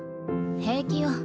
平気よ。